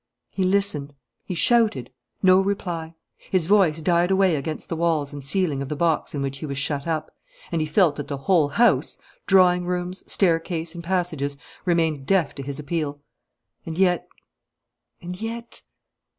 He listened. He shouted. No reply. His voice died away against the walls and ceiling of the box in which he was shut up, and he felt that the whole house drawing rooms, staircases, and passages remained deaf to his appeal. And yet ... and yet